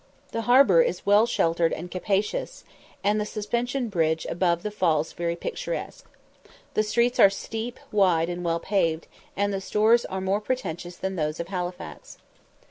The harbour is well sheltered and capacious, and the suspension bridge above the falls very picturesque. The streets are steep, wide, and well paved, and the stores are more pretentious than those of Halifax.